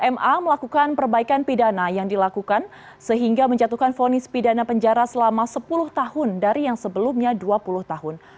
ma melakukan perbaikan pidana yang dilakukan sehingga menjatuhkan fonis pidana penjara selama sepuluh tahun dari yang sebelumnya dua puluh tahun